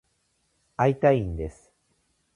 会いたいんです。